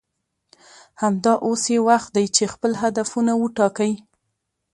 همدا اوس یې وخت دی چې خپل هدفونه وټاکئ